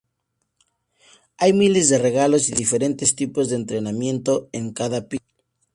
Hay miles de regalos y diferentes tipos de entretenimiento en cada piso.